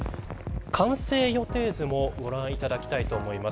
完成予定図もご覧いただきたいと思います。